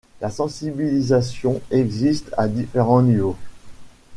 La sensibilisation existe à différents niveaux.